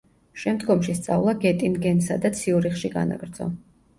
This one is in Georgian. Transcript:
შემდგომში სწავლა გეტინგენსა და ციურიხში განაგრძო.